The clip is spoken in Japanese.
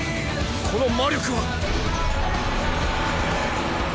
この魔力は。